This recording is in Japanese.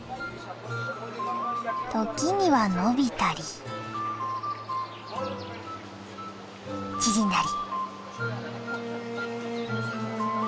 時には伸びたり縮んだり。